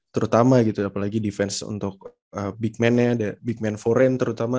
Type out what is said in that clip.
terutama gitu apalagi defense untuk big man big man foreign terutama